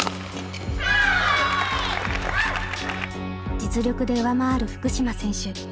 実力で上回る福島選手。